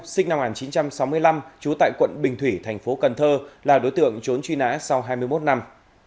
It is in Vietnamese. sinh năm một nghìn chín trăm sáu mươi năm trú tại quận bình thủy thành phố cần thơ là đối tượng trốn truy nã sau hai mươi một năm